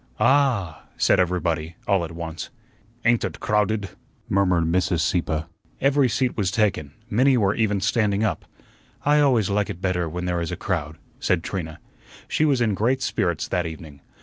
"Ah!" said everybody all at once. "Ain't ut crowdut?" murmured Mr. Sieppe. Every seat was taken; many were even standing up. "I always like it better when there is a crowd," said Trina. She was in great spirits that evening.